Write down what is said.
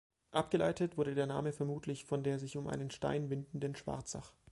Abgeleitet wurde der Name vermutlich von der sich um einen Stein windenden Schwarzach.